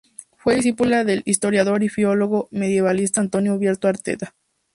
Fue discípula del historiador y filólogo medievalista Antonio Ubieto Arteta.